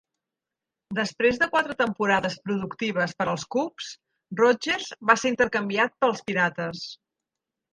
Després de quatre temporades productives per als Cubs, Rodgers va ser intercanviat pels Pirates.